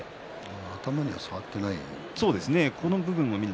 頭には触っていないですね。